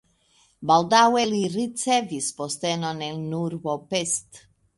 Baldaŭe li ricevis postenon en urbo Pest.